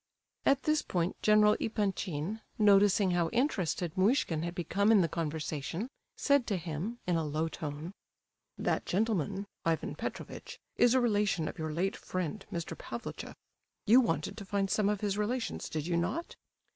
At this point General Epanchin, noticing how interested Muishkin had become in the conversation, said to him, in a low tone: "That gentleman—Ivan Petrovitch—is a relation of your late friend, Mr. Pavlicheff. You wanted to find some of his relations, did you not?"